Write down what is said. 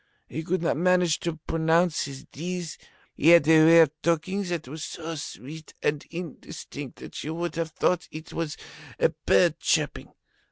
He could not manage to pronounce his Ds. He had a way of talking that was so sweet and indistinct that you would have thought it was a bird chirping.